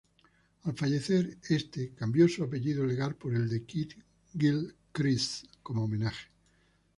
Al fallecer este, cambió su apellido legal por el de Kidd-Gilchrist como homenaje.